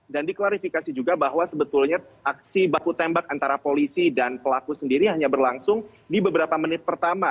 dan diklarifikasi juga bahwa sebetulnya aksi baku tembak antara polisi dan pelaku sendiri hanya berlangsung di beberapa menit pertama